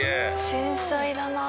繊細だなあ。